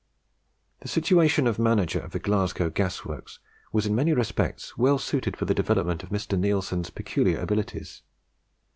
The situation of manager of the Glasgow Gas works was in many respects well suited for the development of Mr. Neilson's peculiar abilities.